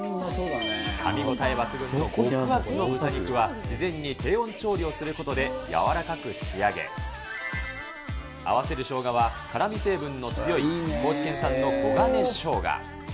かみ応え抜群の極厚の豚肉は事前に低温調理をすることで、柔らかく仕上げ、合わせる生姜は辛み成分の強い高知県産の黄金しょうが。